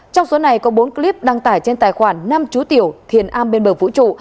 trong số này có bốn clip đăng tải trên tài khoản nam chú tiểu thiền a bên bờ vũ trụ